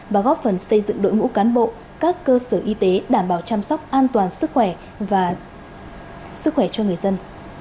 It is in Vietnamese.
và góp phần xây dựng đội ngũ cán bộ các cơ sở y tế đảm bảo chăm sóc an toàn sức khỏe và sức khỏe cho người dân